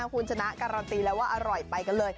คุณชนะการันตีแล้วว่าอร่อยไปกันเลย